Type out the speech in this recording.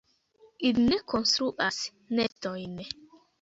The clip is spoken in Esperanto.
Ili ne konstruas nestojn.